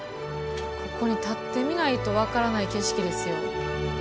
ここに立ってみないと分からない景色ですよ。